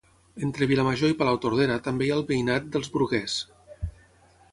Entre Vilamajor i Palautordera també hi ha el veïnat dels Bruguers